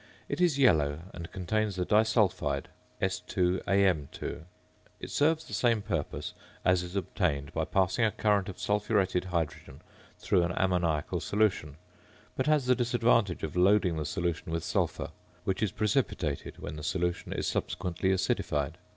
It is yellow, and contains the disulphide, S_Am_. It serves the same purpose as is obtained by passing a current of sulphuretted hydrogen through an ammoniacal solution; but has the disadvantage of loading the solution with sulphur, which is precipitated when the solution is subsequently acidified.